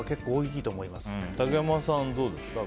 竹山さんは、どうですか？